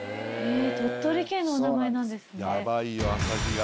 鳥取県のお名前なんですね。